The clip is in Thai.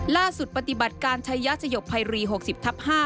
ล่าสุดปฏิบัติการชายยศยกภัยรี๖๐ทับ๕